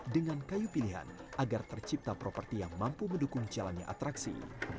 dengan kayu pilihan agar tercipta properti yang mampu mendukung jalannya atraksi